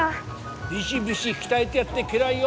ビシビシ鍛えでやってけらいよ！